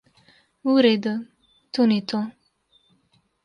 V redu, to ni to.